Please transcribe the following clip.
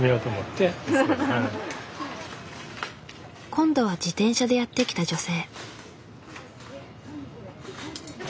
今度は自転車でやって来た女性。